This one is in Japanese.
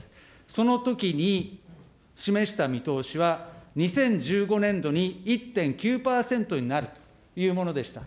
そのときに示した見通しは、２０１５年度に１．９％になるというものでした。